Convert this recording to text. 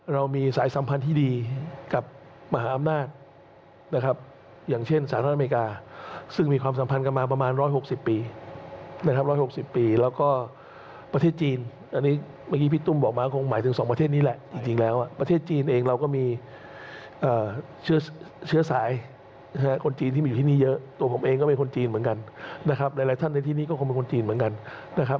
เราก็มีการค้ากันอย่างเยอะนะครับ